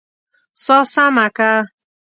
سا سمه که!